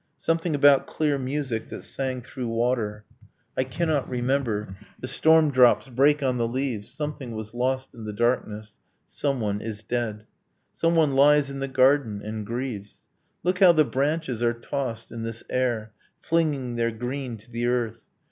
Something about clear music that sang through water ... I cannot remember. The storm drops break on the leaves. Something was lost in the darkness. Someone is dead. Someone lies in the garden and grieves. Look how the branches are tossed in this air, Flinging their green to the earth!